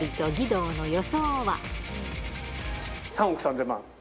３億３０００万。